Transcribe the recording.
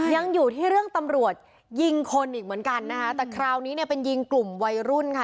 ยังอยู่ที่เรื่องตำรวจยิงคนอีกเหมือนกันนะคะแต่คราวนี้เนี่ยเป็นยิงกลุ่มวัยรุ่นค่ะ